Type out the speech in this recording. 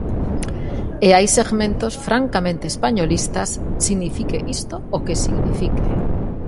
E hai segmentos francamente españolistas, signifique isto o que signifique.